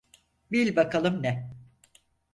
Bil bakalım ne?